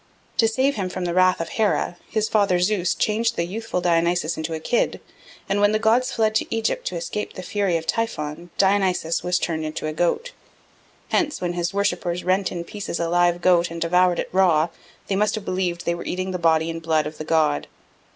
To save him from the wrath of Hera, his father Zeus changed the youthful Dionysus into a kid; and when the gods fled to Egypt to escape the fury of Typhon, Dionysus was turned into a goat. Hence when his worshippers rent in pieces a live goat and devoured it raw, they must have believed that they were eating the body and blood of the god.